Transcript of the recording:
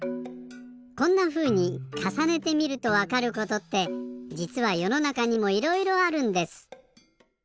こんなふうにかさねてみるとわかることってじつはよのなかにもいろいろあるんです。